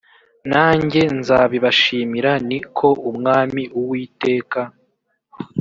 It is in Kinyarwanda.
nanjye nzabibashimira ni ko umwami uwiteka